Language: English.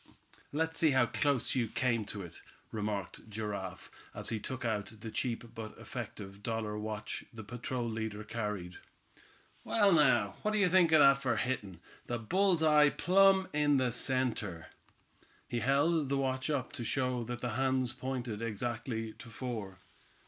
"Let's see how close you came to it," remarked Giraffe, as he took out the cheap but effective dollar watch the patrol leader carried. "Well, now, what d'ye think of that for hittin' the bull's eye plumb in the center." He held the watch up to show that the hands pointed exactly to four.